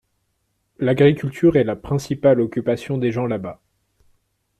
L’agriculture est la principale occupation des gens là-bas.